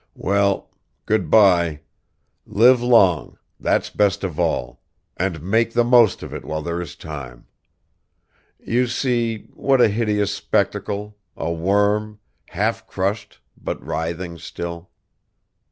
Well, good by! Live long, that's best of all, and made the most of it while there is time. You see, what a hideous spectacle, a worm, half crushed, but writhing still.